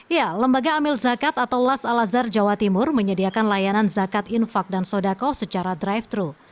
ya lembaga amil zakat atau las al azhar jawa timur menyediakan layanan zakat infak dan sodako secara drive thru